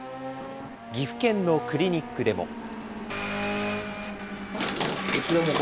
岐阜県のクリニックでも。